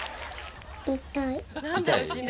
痛い？